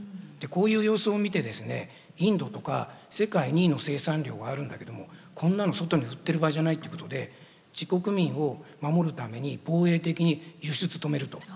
こういう様子を見てですねインドとか世界２位の生産量があるんだけども「こんなのを外に売ってる場合じゃない」っていうことで自国民を守るために防衛的に輸出を止めると。